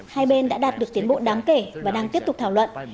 hai bên đã đạt được tiến bộ đáng kể và đang tiếp tục thảo luận